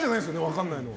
分からないの。